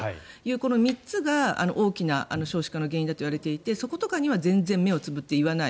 この３つが大きな少子化の原因だといわれていてそことかには全然目をつぶって言わない。